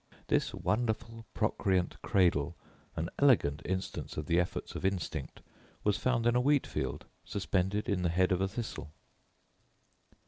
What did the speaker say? This wonderful procreant cradle, an elegant instance of the efforts of instinct, was found in a wheat field, suspended in the head of a thistle.